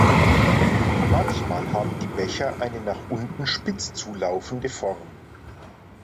Manchmal haben die Becher eine nach unten spitz zulaufende Form.